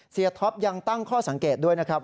ท็อปยังตั้งข้อสังเกตด้วยนะครับ